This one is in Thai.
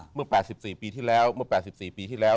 เมื่อ๘๔ปีที่แล้วเมื่อ๘๔ปีที่แล้ว